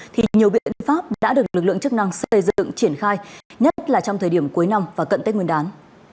thì nhiều biện pháp đã được lực lượng chức năng xây dựng triển khai nhất là trong thời điểm cuối năm và cận tết nguyên đán